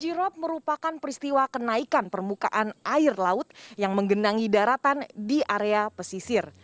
sirop merupakan peristiwa kenaikan permukaan air laut yang menggenangi daratan di area pesisir